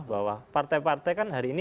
bahwa partai partai kan hari ini